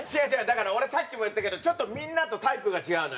だから俺さっきも言ったけどちょっとみんなとタイプが違うのよ。